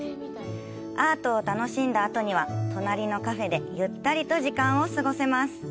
アートを楽しんだあとには隣のカフェでゆったりと時間を過ごせます。